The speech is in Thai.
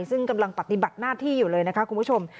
ซึ่งกำลังปฏิบัติหน้าที่อยู่เลยนะคะคุณผู้ชม